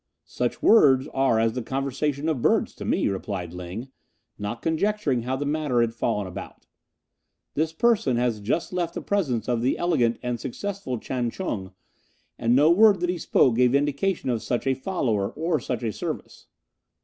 "Such words are as the conversation of birds to me," replied Ling, not conjecturing how the matter had fallen about. "This person has just left the presence of the elegant and successful Chang ch'un, and no word that he spoke gave indication of such a follower or such a service."